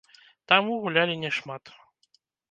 Таму гулялі не шмат.